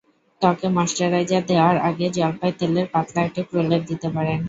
ত্বকে ময়েশ্চারাইজার দেওয়ার আগে জলপাই তেলের পাতলা একটি প্রলেপ দিতে পারেন।